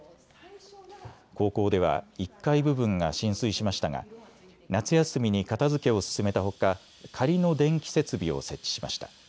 高校では１階部分が浸水しましたが夏休みに片づけを進めたほか仮の電気設備を設置しました。